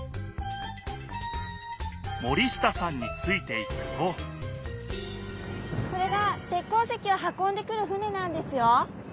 森下さんについていくとこれが鉄鉱石を運んでくる船なんですよ。